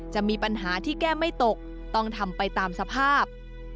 จะมีปัญหาที่แก้ไม่ตกต้องทำไปตามสภาพ